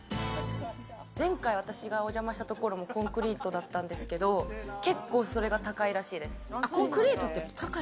前回、私がお邪魔した所も、コンクリートだったんですけど、結構それが高いらしいです。